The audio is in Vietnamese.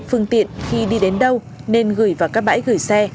phương tiện khi đi đến đâu nên gửi vào các bãi gửi xe